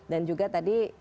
dan juga tadi